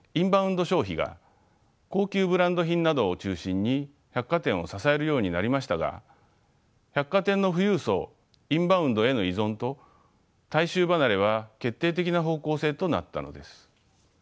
消費が高級ブランド品などを中心に百貨店を支えるようになりましたが百貨店の富裕層インバウンドへの依存と大衆離れは決定的な方向性となったのです。